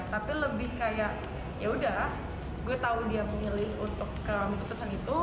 tapi lebih kayak ya udah gue tahu dia memilih untuk keputusan itu